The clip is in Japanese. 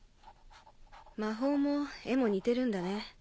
魔法も絵も似てるんだね。